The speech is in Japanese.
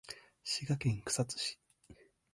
滋賀県草津市